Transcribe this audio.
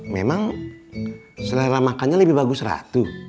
memang selera makannya lebih bagus ratu